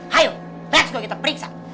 hayuk let's go kita periksa